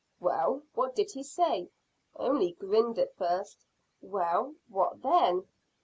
"Well, what did he say?" "Only grinned at first." "Well, what then?"